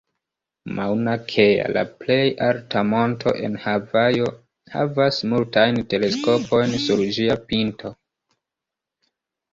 Mauna Kea, la plej alta monto en Havajo, havas multajn teleskopojn sur sia pinto.